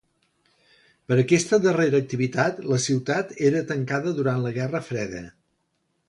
Per aquesta darrera activitat, la ciutat era tancada durant la Guerra Freda.